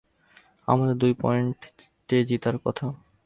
আমাদের দুই পয়েন্টে জেতার কথা।